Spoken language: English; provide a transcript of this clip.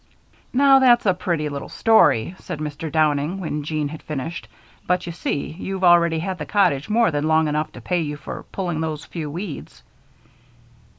"Now that's a very pretty little story," said Mr. Downing, when Jean had finished. "But, you see, you've already had the cottage more than long enough to pay you for pulling those few weeds."